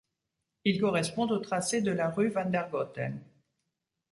Il correspond au tracé de la rue Vandergoten.